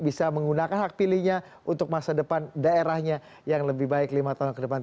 bisa menggunakan hak pilihnya untuk masa depan daerahnya yang lebih baik lima tahun ke depan